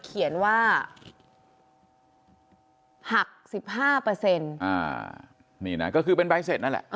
เขียนว่าหักสิบห้าเปอร์เซ็นต์นี่นะก็คือเป็นใบเสร็จนั่นแหละ